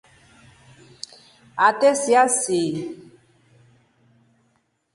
Ate siasii.